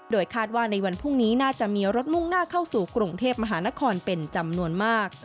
คาดว่าในวันพรุ่งนี้น่าจะมีรถมุ่งหน้าเข้าสู่กรุงเทพมหานครเป็นจำนวนมาก